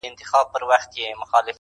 اوس آخره زمانه ده په انسان اعتبار نسته -